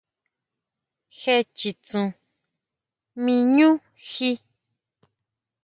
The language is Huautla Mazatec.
Jé chitsun ʼmí ʼñú jí.